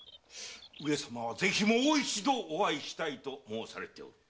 上様はぜひもう一度お会いしたいと申されておる。